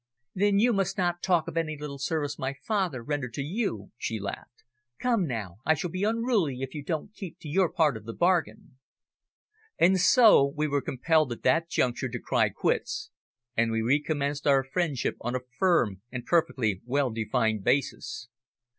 "Then you must not talk of any little service my father rendered to you," she laughed. "Come, now, I shall be unruly if you don't keep to your part of the bargain!" And so we were compelled at that juncture to cry quits, and we recommenced our friendship on a firm and perfectly well defined basis.